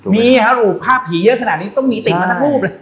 มีภาพผีเยอะขนาดนี้ต้องมีติ่งมาทั้งรูปเลย